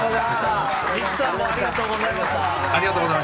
三木さんもありがとうございました。